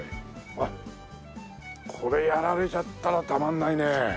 あっこれやられちゃったらたまんないね。